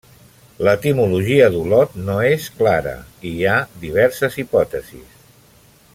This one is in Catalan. L'etimologia d'Olot no és clara i hi ha diverses hipòtesis.